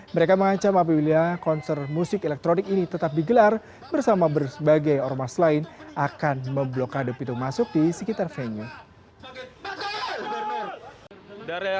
mereka mengancam apabila konser musik elektronik ini tetap digelar bersama berbagai ormas lain akan memblokade pintu masuk di sekitar venue